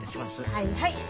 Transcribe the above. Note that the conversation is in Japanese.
はいはい。